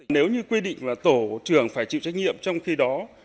nếu như quy định là tổ trưởng phải chịu trách nhiệm trong khi đó